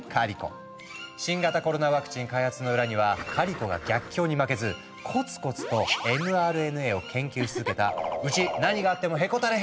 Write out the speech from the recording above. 新型コロナワクチン開発の裏にはカリコが逆境に負けずコツコツとｍＲＮＡを研究し続けた「うち何があってもへこたれへん！」